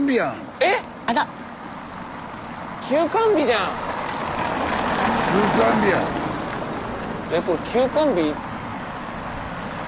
えっこれ休館日。